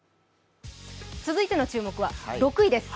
続いての注目は６位です。